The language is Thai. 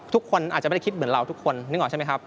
ทุกคนอาจจะไม่ได้คิดเหมือนเราทุกคนนึกออกใช่ไหมครับ